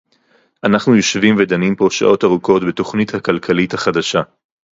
אנחנו יושבים ודנים פה שעות ארוכות בתוכנית הכלכלית החדשה